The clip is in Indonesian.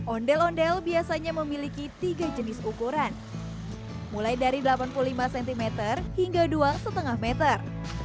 ondel ondel biasanya memiliki tiga jenis ukuran mulai dari delapan puluh lima cm hingga dua lima meter